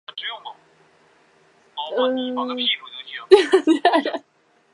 殿试登进士第二甲第二十九名。